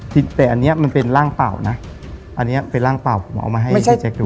แต่อันนี้มันเป็นร่างเปล่านะอันนี้เป็นร่างเปล่าผมเอามาให้พี่แจ๊คดู